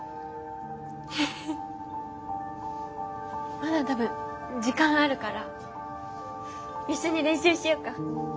まだ多分時間あるから一緒に練習しようか。